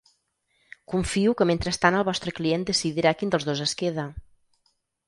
Confio que mentrestant el vostre client decidirà quin dels dos es queda.